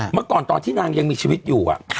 เมื่อก่อนตอนที่นางยังมีชีวิตอยู่